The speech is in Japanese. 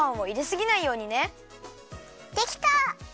できた！